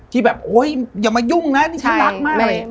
ที่แบบอย่ามายุ่งนะนี่ฉันรักมาก